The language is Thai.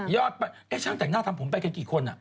ยอดไปไหมช่างแต่งหน้าทำผมไปกันกี่คนอ่ะ